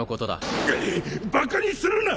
ぐっバカにするな！